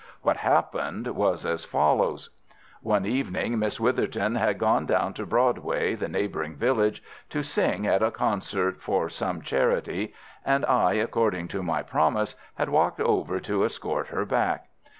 What happened was as follows. One evening Miss Witherton had gone down to Broadway, the neighbouring village, to sing at a concert for some charity, and I, according to my promise, had walked over to escort her back.